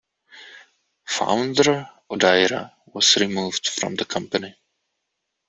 Founder Odaira was removed from the company.